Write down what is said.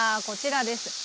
こちらです。